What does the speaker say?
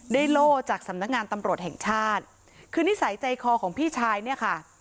โล่จากสำนักงานตำรวจแห่งชาติคือนิสัยใจคอของพี่ชายเนี่ยค่ะ